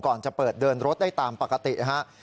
ก่อนจะเปิดเดินรถได้ตามปกตินะครับ